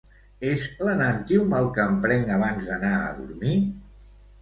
És l'Enantyum el que em prenc abans d'anar a dormir?